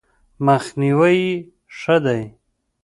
مخنیوی ښه دی.